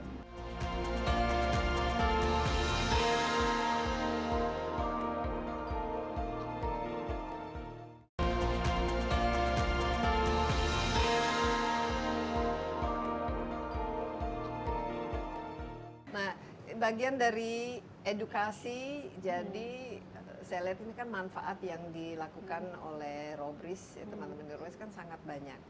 nah bagian dari edukasi jadi saya lihat ini kan manfaat yang dilakukan oleh robries ya teman teman di robries kan sangat banyak